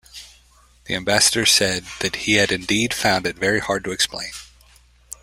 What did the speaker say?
The ambassador said that he had indeed found it very hard to explain.